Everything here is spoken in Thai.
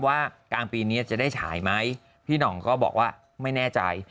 กลางปีนี้จะได้ฉายไหมพี่หน่องก็บอกว่าไม่แน่ใจ